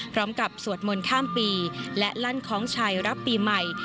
พร้อมกับสวดมนตร์ข้ามปีและลั่นของชัยรับปีใหม่